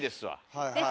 はい。